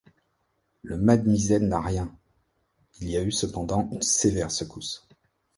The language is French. Le mât de misaine n’a rien ; il a eu cependant une sévère secousse.